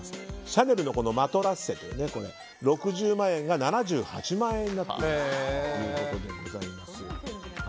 シャネルのマトラッセというのは６０万円が７８万円になっているということです。